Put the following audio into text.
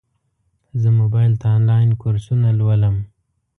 زه موبایل ته انلاین کورسونه لولم.